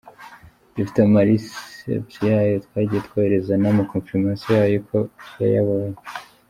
Dufite ama receipts y’ayo twagiye twohereza n’ama confirmations yayo ko yayabonye.